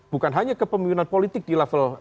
bukan hanya kepemimpinan politik di level